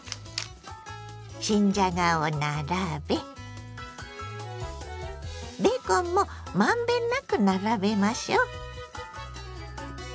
新じゃがを並べベーコンもまんべんなく並べましょう。